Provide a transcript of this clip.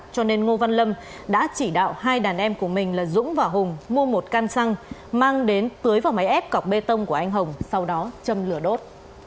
cho nên ngô văn lâm đã chỉ đạo hai đàn em của mình là dũng và hùng mua một căn xăng mang đến tưới vào máy ép cọc bê tông của anh hồng sau đó châm lửa đốt